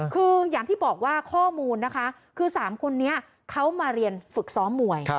คืออย่างที่บอกว่าข้อมูลนะคะคือ๓คนนี้เขามาเรียนฝึกซ้อมมวย